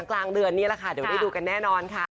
กลางเดือนนี้แหละค่ะเดี๋ยวได้ดูกันแน่นอนค่ะ